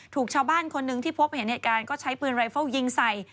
ถูกชาวบ้านคนหนึ่งที่พบเห็นเหตุการณ์ก็ใช้ปืนไรเฟิลยิงใส่